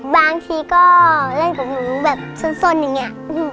บางทีก็เล่นกับหนูแบบส้นอย่างนี้